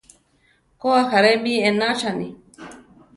Ko, ajáre mi éenachani.